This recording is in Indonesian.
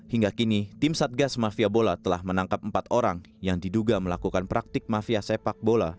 hingga kini tim satgas mafia bola telah menangkap empat orang yang diduga melakukan praktik mafia sepak bola